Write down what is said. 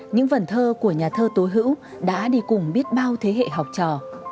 những vần thơ của nhà thơ tố hữu đã đi cùng biết bao thế hệ học trò